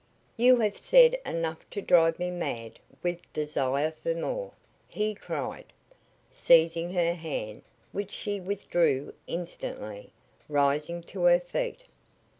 "You have said enough to drive me mad with desire for more," he cried, seizing her hand, which she withdrew instantly, rising to her feet.